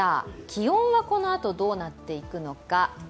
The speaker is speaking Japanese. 気温はこのあとどうなっていくのか。